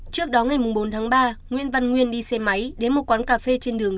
trước đó ngày bốn tháng ba nguyễn văn nguyên đi xe máy đến một quán cà phê trên đường